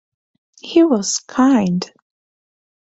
He was kind.